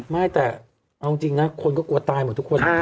ไม่แต่เอาจริงนะคนก็กลัวตายหมดทุกคน